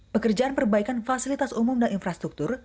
pekerjaan perbaikan fasilitas umum dan infrastruktur